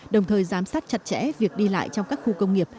đồng thời giám sát chặt chẽ việc đi lại trong các khu công nghiệp